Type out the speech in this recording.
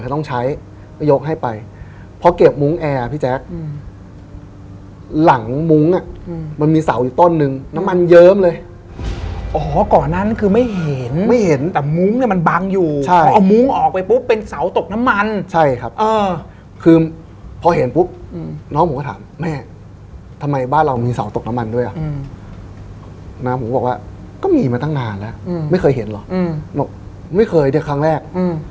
ก็ต้องใช้ไปยกให้ไปพอเก็บมุ้งแอร์อ่ะพี่แจ๊คอืมหลังมุ้งอ่ะอืมมันมีเสาอีกต้นนึงน้ำมันเยิ้มเลยอ๋อก่อนนั้นคือไม่เห็นไม่เห็นแต่มุ้งเนี้ยมันบังอยู่ใช่พอเอามุ้งออกไปปุ๊บเป็นเสาตกน้ำมันใช่ครับอ่าคือพอเห็นปุ๊บอืมน้องผมก็ถามแม่ทำไมบ้านเรามีเสาต